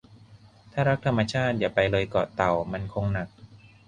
ถ้ารักธรรมชาติ อย่าไปเลยเกาะเต่า มันคงหนัก